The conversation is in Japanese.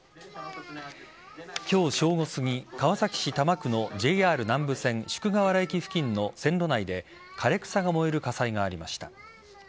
今日正午すぎ、川崎市多摩区のＪＲ南武線宿河原駅付近の線路内で枯れ草が燃える火災がありました。